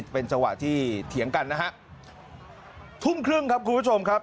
เป็นจังหวะที่เถียงกันนะฮะทุ่มครึ่งครับคุณผู้ชมครับ